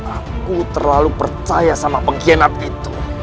aku terlalu percaya sama pengkhianat itu